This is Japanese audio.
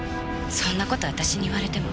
そんな事私に言われても。